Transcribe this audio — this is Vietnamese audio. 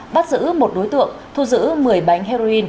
bắt giữ một đối tượng thu giữ một mươi bánh heroin